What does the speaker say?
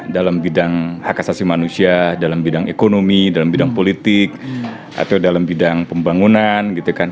dalam bidang hak asasi manusia dalam bidang ekonomi dalam bidang politik atau dalam bidang pembangunan gitu kan